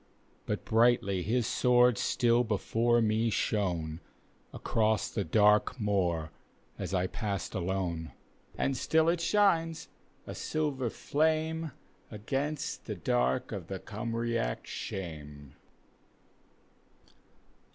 But brightly his sword still before me shon^ Across the dark moor as I passed alone. And still it shines, a silver flame, Across the dark night of the Cymraec shame.